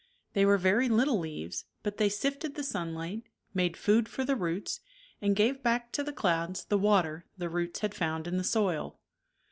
They were very little leaves, but they sifted the sunlight, made food for the roots and gave back to the clouds the water the roots had found in the soil.